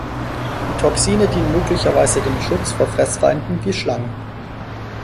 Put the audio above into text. Die Toxine dienen möglicherweise dem Schutz vor Fressfeinden wie Schlangen.